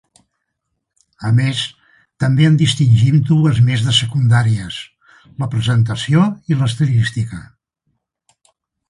A més, també en distingim dues més de secundàries, la presentació i l'estilística.